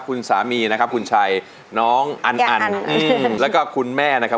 คุณสามีนะครับคุณชัยน้องอันอันแล้วก็คุณแม่นะครับ